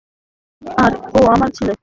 আর ও আমার ছেলে।